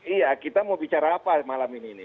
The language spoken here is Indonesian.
iya kita mau bicara apa malam ini